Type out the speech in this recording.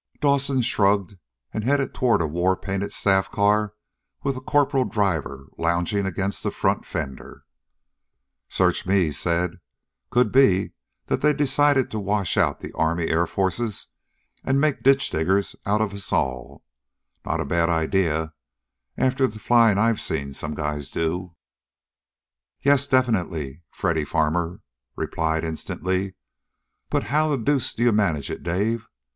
Dawson shrugged and headed toward a war painted staff car with a corporal driver lounging against a front fender. "Search me," he said. "Could be that they have decided to wash out the Army Air Forces, and make ditch diggers of us all. Not a bad idea, after the flying I've seen some guys do." "Yes, definitely," Freddy Farmer replied instantly. "But how the deuce do you manage it, Dave?